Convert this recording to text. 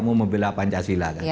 mau membela pancasila kan